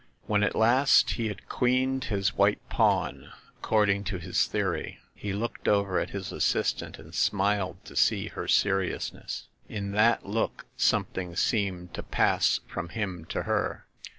When at last he had queened his white pawn accord ing to his theory, he looked over at his assistant and smiled to see her seriousness. In that look something seemed to pass from him to her.